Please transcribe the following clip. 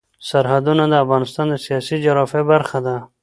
سرحدونه د افغانستان د سیاسي جغرافیه برخه ده.